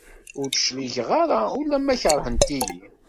Ur d-cligeɣ ara ula ma keṛhent-iyi.